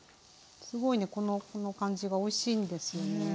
すごいねこの感じがおいしいんですよね